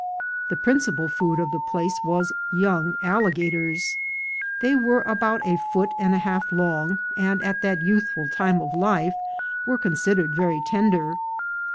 The principal food of the place was young alligators. They were about a foot and a half long, and at that youthful time of life were con sidered very tender.